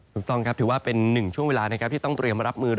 ถูกต้องครับถือว่าเป็น๑ช่วงเวลาที่ต้องเตรียมมารับมือ